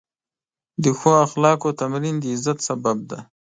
د ښو اخلاقو تمرین د عزت سبب دی.